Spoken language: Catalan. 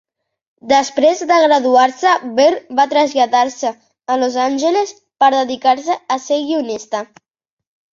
Després de graduar-se, Behr va traslladar-se a Los Angeles per dedicar-se a ser guionista.